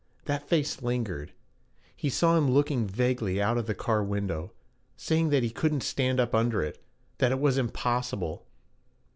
That face lingered. He saw him looking vaguely out of the car window saying that he couldn't stand up under it that it was 'impossible.'